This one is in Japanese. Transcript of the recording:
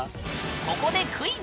ここでクイズ！